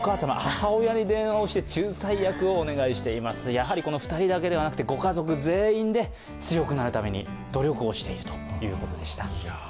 やはり２人だけではなくてご家族全員で強くなるために努力をしているということでした。